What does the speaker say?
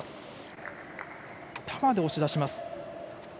頭で押し出します。